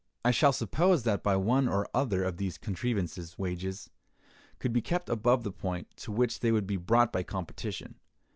I shall suppose that by one or other of these contrivances wages could be kept above the point to which they would be brought by competition.